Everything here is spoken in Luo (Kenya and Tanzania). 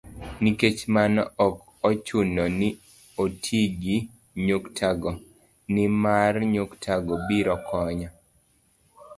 Nikech mano, ok ochuno ni oti gi nyuktago, nimar nyuktago biro konyo